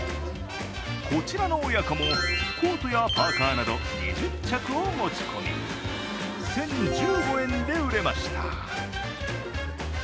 こちらの親子もコートやパーカーなど２０着を持ち込み、１０１５円で売れました。